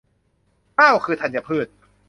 ข้าวคือธัญพืช